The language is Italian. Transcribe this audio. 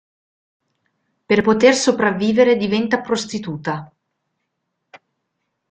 Per poter sopravvivere diventa prostituta.